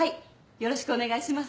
よろしくお願いします。